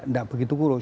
tidak begitu kurus